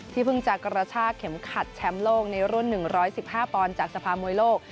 เพิ่งจะกระชากเข็มขัดแชมป์โลกในรุ่น๑๑๕ปอนด์จากสภามวยโลก